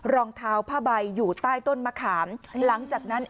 รองเท้าผ้าใบอยู่ใต้ต้นมะขามหลังจากนั้น